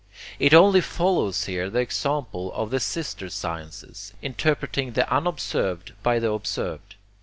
It only follows here the example of the sister sciences, interpreting the unobserved by the observed.